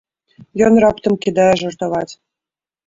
Ён раптам кідае жартаваць.